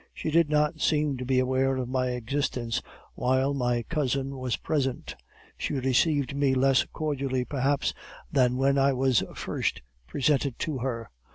She did not seem to be aware of my existence while my cousin was present; she received me less cordially perhaps than when I was first presented to her.